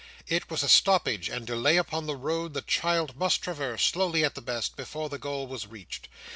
It was a stoppage and delay upon the road the child must traverse, slowly at the best, before the goal was reached.